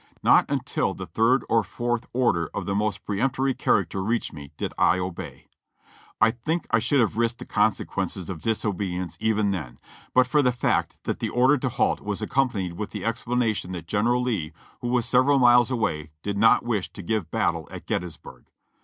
Not until the third or fourth order of the most peremptory character reached me, did I obey. I think I should have risked the consequences of dis obedience even then, but for the fact that the order to halt was accompanied with the explanation that General Lee, who was sev eral miles away, did not wish to give battle at Gettysburg.